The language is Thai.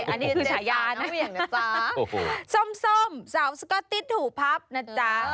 อันนี้คือฉายานะส้มสาวสก็ติ๊ดหูพับนะจ๊ะ